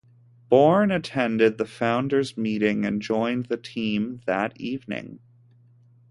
Born attended the founders meeting and joined the team that evening.